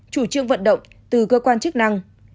chủ trương vận động từ cơ quan chức năng